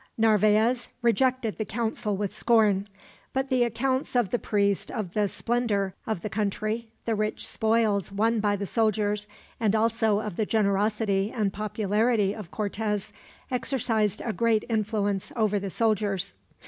Narvaez rejected the counsel with scorn, but the accounts of the priest of the splendor of the country, the rich spoils won by the soldiers, and also of the generosity and popularity of Cortez, exercised a great influence over the soldiers.